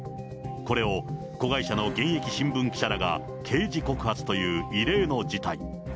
これを子会社の現役新聞記者らが刑事告発という異例の事態。